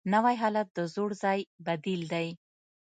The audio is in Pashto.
نوی حالت د زوړ ځای بدیل دی